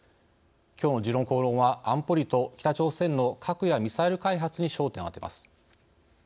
きょうの「時論公論」は安保理と北朝鮮の核やミサイル開発に焦点を当てます。